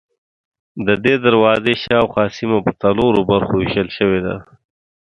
ددې دروازې شاوخوا سیمه په څلورو برخو وېشل شوې ده.